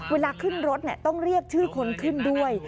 เวลาขึ้นรถต้องเรียกชื่อคนขึ้นด้วย